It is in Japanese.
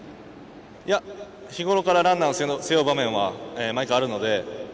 いや、日ごろからランナーを背負う場面は毎回あるので。